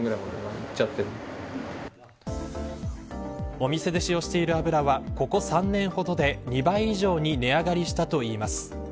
お店で使用している油はここ３年ほどで２倍以上に値上がりしたといいます。